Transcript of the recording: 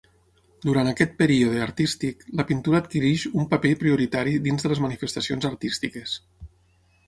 Durant aquest període artístic la pintura adquireix un paper prioritari dins de les manifestacions artístiques.